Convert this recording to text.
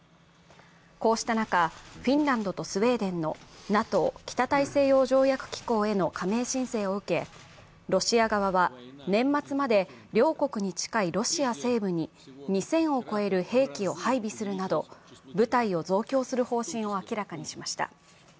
こうした中、フィンランドとスウェーデンのＮＡＴＯ＝北大西洋条約機構への加盟申請を受け、ロシア側は年末まで両国に近いロシア西部に２０００を超える兵器を配備するなど部隊を増強する方針を明らかにしました。